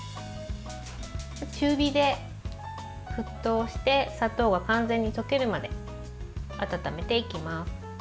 中火で沸騰して砂糖が完全に溶けるまで温めていきます。